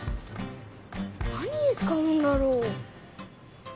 何に使うんだろ？